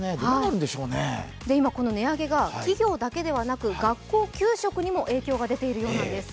今この値上げが企業だけではなく学校給食にも影響が出ているようなんです。